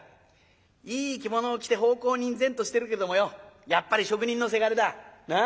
いい着物を着て奉公人然としてるけどもよやっぱり職人のせがれだ。なあ？